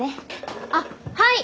あっはい！